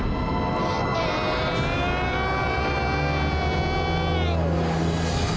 lagi lagi jangan menjengkelkan kami